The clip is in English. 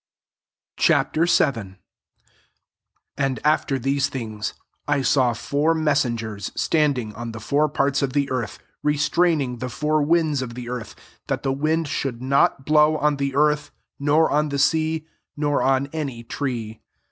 Cb. VII. 1 Akd after these hings, I saw four messengers itandhsg on the four parts of he earth, restraining the four Finds of the earth, that the ^ind should not blow on the iSLTih, nor on the sea, nor on iny tree.